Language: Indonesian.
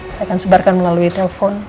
saya akan sebarkan melalui telepon